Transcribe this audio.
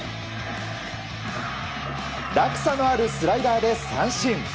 落差のあるスライダーで三振。